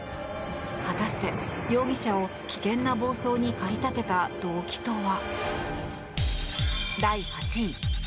果たして容疑者を危険な暴走に駆り立てた動機とは。